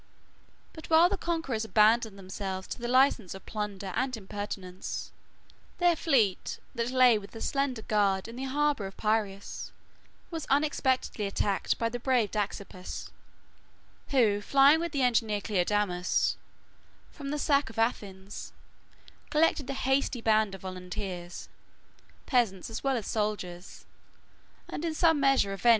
But while the conquerors abandoned themselves to the license of plunder and intemperance, their fleet, that lay with a slender guard in the harbor of Piræus, was unexpectedly attacked by the brave Dexippus, who, flying with the engineer Cleodamus from the sack of Athens, collected a hasty band of volunteers, peasants as well as soldiers, and in some measure avenged the calamities of his country.